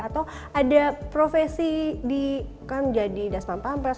atau ada profesi di kan jadi dasman pampres